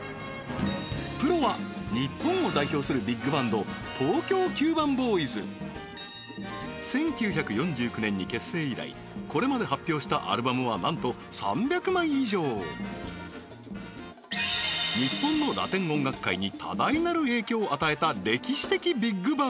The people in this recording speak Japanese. プロは日本を代表するビッグバンド１９４９年に結成以来これまで発表したアルバムはなんと３００枚以上日本のラテン音楽界に多大なる影響を与えた